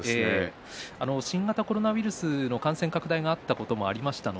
新型コロナウイルスの感染拡大があったこともありまして